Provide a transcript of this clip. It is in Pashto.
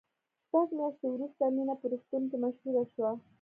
شپږ میاشتې وروسته مینه په روغتون کې مشهوره شوه